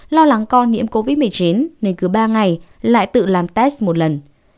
lo lắng con nhiễm covid một mươi chín nên cứ ba ngày lại tự làm test một lần